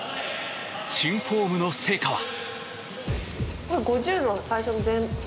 新フォームの成果は。